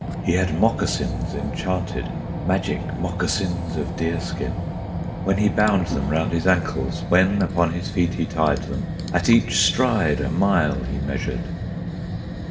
He had moccasins enchanted, Magic moccasins of deer skin; When he bound them round his ankles, When upon his feet he tied them, At each stride a mile he measured!